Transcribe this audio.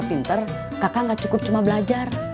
biar pinter kakak nggak cukup cuma belajar